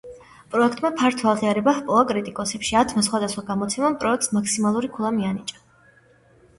პროექტმა ფართო აღიარება ჰპოვა კრიტიკოსებში: ათმა სხვადასხვა გამოცემამ პროექტს მაქსიმალური ქულა მიანიჭა.